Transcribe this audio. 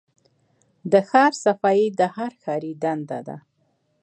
د ښار صفايي د هر ښاري دنده ده.